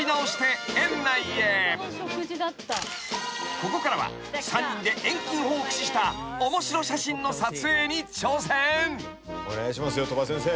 ［ここからは３人で遠近法を駆使した面白写真の撮影に挑戦］